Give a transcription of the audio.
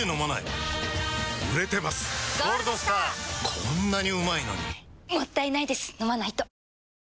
こんなにうまいのにもったいないです、飲まないと。